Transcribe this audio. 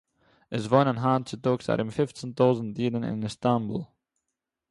עס וואוינען היינט צוטאָגס אַרום פיפצען טויזנט אידן אין איסטאַנבול